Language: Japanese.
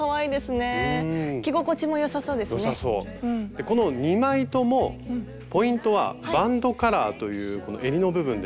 でこの２枚ともポイントは「バンドカラー」というこのえりの部分です。